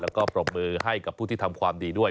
แล้วก็ปรบมือให้กับผู้ที่ทำความดีด้วย